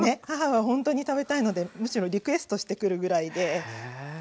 母はほんとに食べたいのでむしろリクエストしてくるぐらいで。